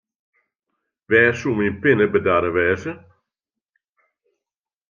Wêr soe myn pinne bedarre wêze?